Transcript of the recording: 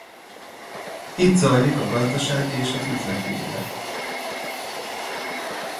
Itt zajlik a gazdasági és az üzleti élet.